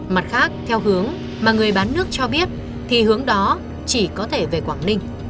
mặt khác theo hướng mà người bán nước cho biết thì hướng đó chỉ có thể về quảng ninh